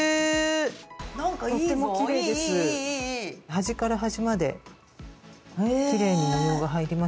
端から端まできれいに模様が入りました。